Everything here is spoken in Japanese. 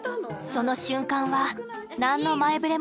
その瞬間は何の前触れもなく訪れた。